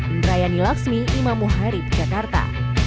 indrayani lakshmi imam muharid jakarta